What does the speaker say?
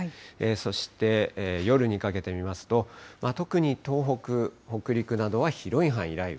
そして夜にかけて見ますと、特に東北、北陸などは広い範囲で雷雨。